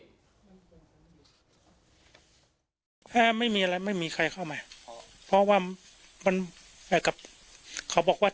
ถ้าไม่มีอะไรไม่มีใครเข้ามาเพราะว่ามันกับเขาบอกว่า